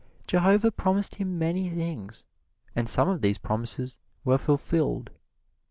Jehovah promised him many things, and some of these promises were fulfilled.